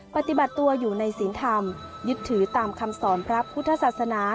ปฏิบัติตัวอยู่ในศีลธรรมยึดถือตามคำสอนพระพุทธศาสนา